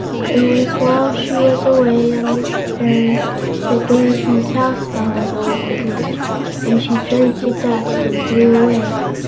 It was while she was away on this errand that Dorothy's house fell on the Wicked Witch, and she turned to dust and blew away.